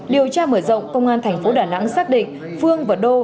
điều tra mở rộng công an thành phố đà nẵng xác định phương và đô